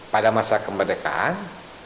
pada masa kemerdekaan